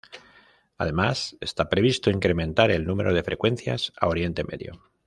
Además, está previsto incrementar el número de frecuencias a Oriente Medio.